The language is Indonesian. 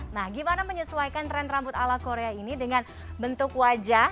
nah gimana menyesuaikan tren rambut ala korea ini dengan bentuk wajah